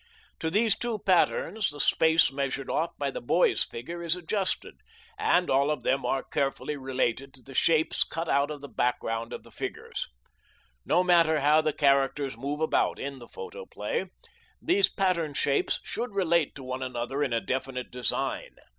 To these two patterns the space measured off by the boy's figure is adjusted, and all of them are as carefully related to the shapes cut out of the background by the figures. No matter how the characters move about in the photoplay, these pattern shapes should relate to one another in a definite design.